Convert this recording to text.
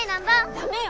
ダメよ！